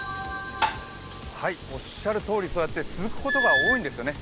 おっしゃるとおり続くことが多いんですよね。